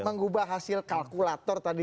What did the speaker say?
mengubah hasil kalkulator tadi